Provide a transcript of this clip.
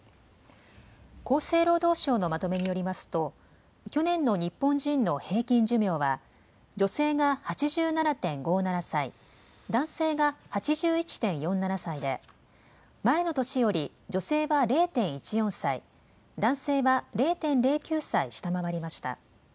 厚生労働省のまとめによりますと、去年の日本人の平均寿命は、女性が８７．５７歳、男性が８１．４７歳で、前の年より女性は０．１４歳、男性は０．０９歳下回りました。